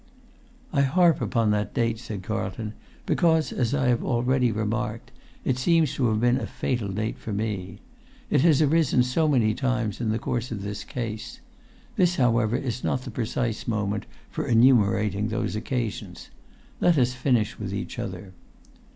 "I harp upon that date," said Carlton, "because, as I have already remarked, it seems to have been a fatal date for me. It has arisen so many times in the course of this case! This, however, is not the precise moment for enumerating those occasions; let us first finish with each other.